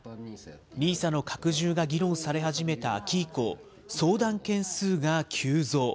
ＮＩＳＡの拡充が議論され始めた秋以降、相談件数が急増。